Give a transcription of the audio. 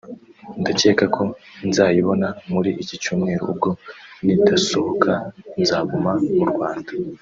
ndacyeka ko nzayibona muri iki cyumweru ubwo nidasohoka nzaguma mu Rwanda